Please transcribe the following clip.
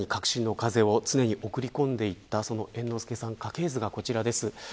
歌舞伎界に革新の風を常に送り込んでいった猿之助さんの家系図がこちらです。